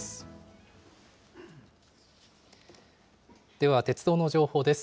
では、鉄道の情報です。